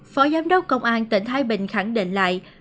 phó giám đốc công an tỉnh thái bình khẳng định lại